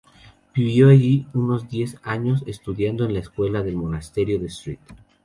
Vivió allí unos diez años, estudiando en la escuela del monasterio de "St.